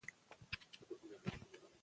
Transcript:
مدرسې باید د لوستنې کلتور ته وده ورکړي.